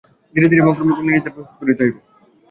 ধীরে ধীরে এবং ক্রমে ক্রমে নিজেদের প্রস্তুত করিতে হইবে।